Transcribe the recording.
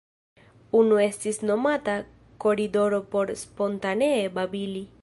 Unu estis nomata “Koridoro” por spontanee babili.